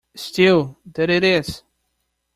Still, there it is.